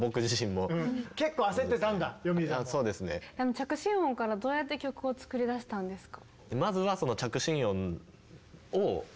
着信音からどうやって曲を作り出したんですか？